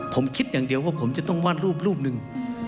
ผมคิดอย่างเดียวว่าผมจะต้องวาดรูปรูปหนึ่ง